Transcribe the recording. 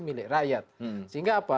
milik rakyat sehingga apa